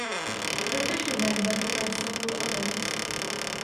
The fishermen recognize several others.